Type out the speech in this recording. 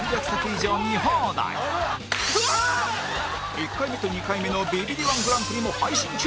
１回目と２回目のビビリ −１ グランプリも配信中！